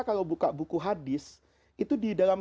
kalau buka buku hadis itu di dalam